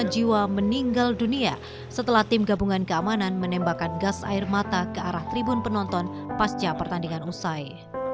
lima jiwa meninggal dunia setelah tim gabungan keamanan menembakkan gas air mata ke arah tribun penonton pasca pertandingan usai